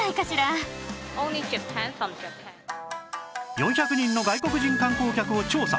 ４００人の外国人観光客を調査